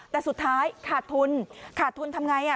แต่สุดท้ายขาดทุนขาดทุนทำไง